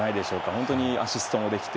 本当にアシストもできて。